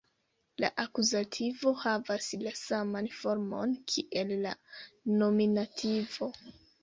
La akuzativo havas la saman formon kiel la nominativo.